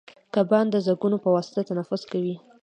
کبان د زګونو په واسطه تنفس کوي